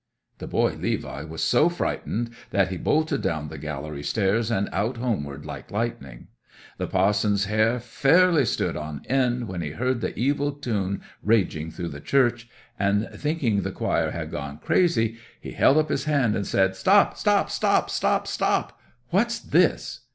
'The boy Levi was so frightened that he bolted down the gallery stairs and out homeward like lightning. The pa'son's hair fairly stood on end when he heard the evil tune raging through the church, and thinking the choir had gone crazy he held up his hand and said: "Stop, stop, stop! Stop, stop! What's this?"